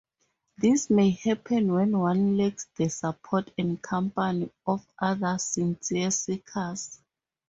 This may happen when one lacks the support and company of other sincere seekers.